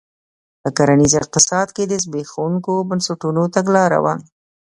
په کرنیز اقتصاد کې د زبېښونکو بنسټونو تګلاره وه.